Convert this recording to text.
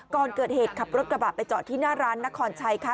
ก่อนเกิดเหตุขับรถกระบะไปจอดที่หน้าร้านนครชัยค่ะ